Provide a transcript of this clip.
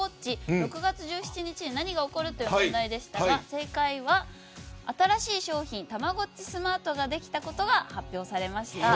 ６月１７日に何が起こる？という問題でしたが正解は新しい商品「たまごっちスマート」ができたことが発表されました。